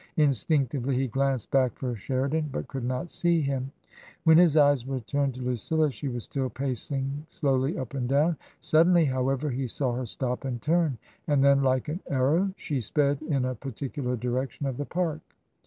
Instinctively he glanced back for Sheridan, but could not see him. When his eyes returned to Lucilla she was still pacing slowly up and down. Sud denly, however, he saw her stop and turn, and then like an arrow she sped in a particular direction of the Park.